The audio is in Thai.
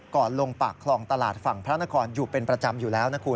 ลงปากคลองตลาดฝั่งพระนครอยู่เป็นประจำอยู่แล้วนะคุณ